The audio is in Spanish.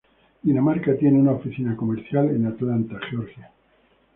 Dinamarca tiene una oficina comercial en Atlanta, Georgia.